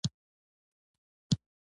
نن دې دارو خوړلي دي ناروغ وویل.